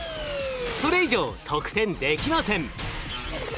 それ以上得点できません。